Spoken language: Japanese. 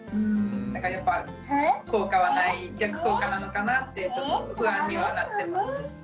だからやっぱ逆効果なのかなってちょっと不安にはなってます。